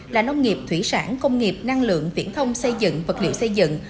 là nông nghiệp thủy sản công nghiệp năng lượng viễn thông xây dựng vật liệu xây dựng